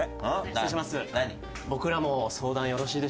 失礼します。